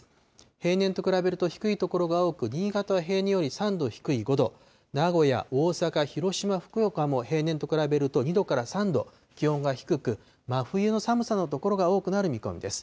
平年と比べると低い所が多く、新潟は平年より３度低い５度、名古屋、大阪、広島、福岡も平年と比べると２度から３度、気温が低く、真冬の寒さの所が多くなる見込みです。